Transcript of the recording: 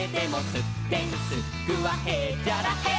「すってんすっくはへっちゃらへい！」